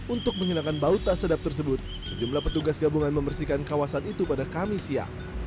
untuk menghilangkan bau tak sedap tersebut sejumlah petugas gabungan membersihkan kawasan itu pada kamis siang